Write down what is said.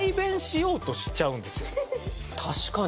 確かに。